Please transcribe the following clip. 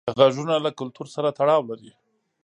غږونه له کلتور سره تړاو لري.